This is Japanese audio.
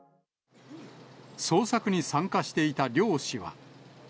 捜索に参加していた漁師は。